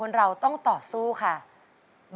๑ล้านเบบ